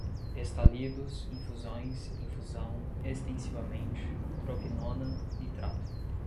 estalidos, infusões, infusão, extensivamente, tropinona, nitrato